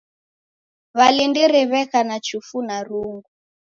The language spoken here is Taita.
W'alindiri w'eka na chufu na rungu.